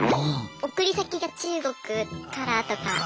送り先が中国からとか。